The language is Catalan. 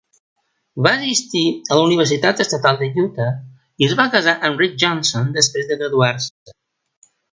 Va assistir a la Universitat Estatal d'Utah i es va casar amb Rick Johnson després de graduar-se.